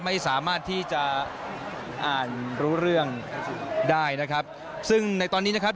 ไม่สามารถที่จะอ่านรู้เรื่องได้นะครับซึ่งในตอนนี้นะครับ